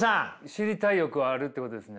知りたい欲はあるっていうことですね。